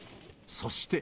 そして。